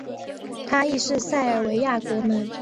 他亦是塞尔维亚国门。